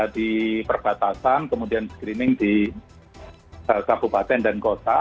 di perbatasan kemudian screening di kabupaten dan kota